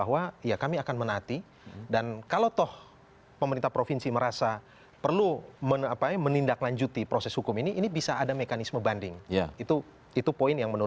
hakim akan memberikan pertimbangan lain di dalam pertimbangannya ya